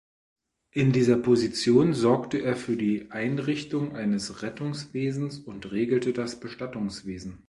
In dieser Position sorgte er für die Einrichtung eines Rettungswesens und regelte das Bestattungswesen.